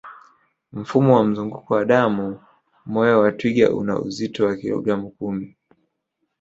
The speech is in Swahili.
Mfumo wa mzunguko wa damu moyo wa twiga una uzito wa kilogramu kumi